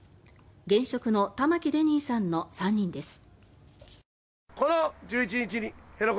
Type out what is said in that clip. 現職の玉城デニーさんの３人です。